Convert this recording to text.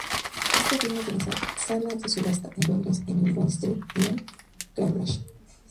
Esta firma tiene salas de subastas en Londres, en New Bond Street y Knightsbridge.